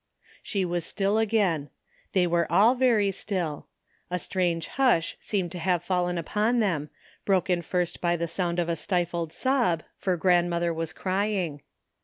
She was still again. They were all very still. A strange hush seemed to have fallen upon them, broken first by the sound of a stifled sob, for grandmother was crying.